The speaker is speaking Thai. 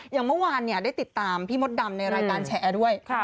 อย่างเมื่อวานได้ติดตามพี่มดดำในรายการแชร์ด้วย